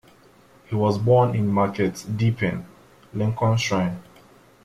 He was born in Market Deeping, Lincolnshire.